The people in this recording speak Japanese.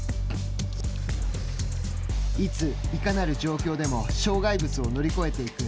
いつ、いかなる状況でも、障害物を乗り越えていく。